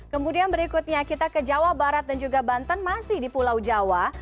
kemudian berikutnya kita ke jawa barat dan juga banten masih di pulau jawa